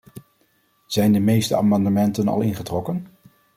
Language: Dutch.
Zijn de meeste amendementen al ingetrokken?